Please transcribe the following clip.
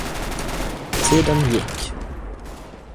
Tiden gick.